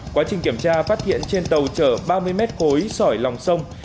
quá trình kiểm tra phát hiện trên tàu trở ba mươi m khối sỏi lòng sông